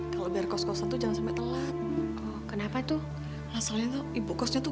kalau berkosa kosa tuh jangan sampai telat kenapa tuh masalahnya tuh ibu kosnya tuh